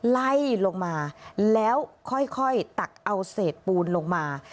ไล่ลงมาแล้วค่อยตักเอาเศษปูนลงมา